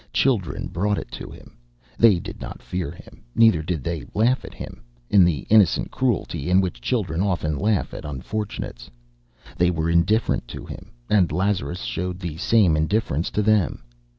Children brought it to him. They did not fear him, neither did they laugh at him in the innocent cruelty in which children often laugh at unfortunates. They were indifferent to him, and Lazarus showed the same indifference to them.